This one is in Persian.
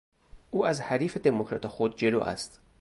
او از حریف دموکرات خود جلو است.